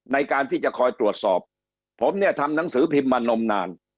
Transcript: ในการที่จะคอยตรวจสอบผมเนี่ยทำหนังสือพิมพ์มานมนาน